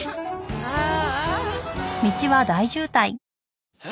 ああ。